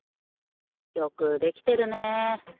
よくできてるね。